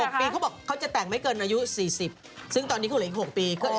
ปีเขาบอกเขาจะแต่งไม่เกินอายุ๔๐ซึ่งตอนนี้เขาเหลืออีก๖ปี